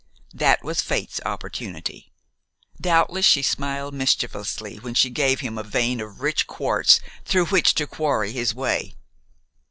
That was Fate's opportunity. Doubtless she smiled mischievously when she gave him a vein of rich quartz through which to quarry his way.